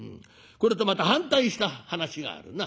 これとまた反対した話があるな。